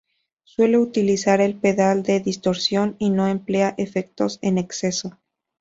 Suele utilizar el pedal de distorsión y no emplea efectos en exceso.